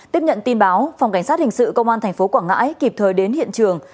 tiếp nhận tin báo phòng cảnh sát hình sự công an tp quảng ngãi kịp thời đến hiện trường